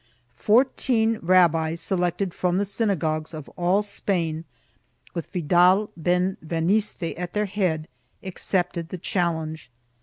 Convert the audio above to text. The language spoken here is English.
Fourteen rabbis, selected from the synagogues of all Spain, with Vidal ben Veniste at their head, accepted the chal lenge.